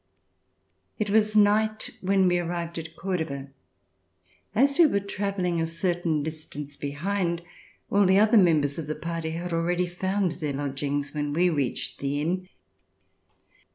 It was night when we arrived at Cordova. As we were travelling a certain distance behind, all the other members of the party had already found their lodgings when we reached the iim.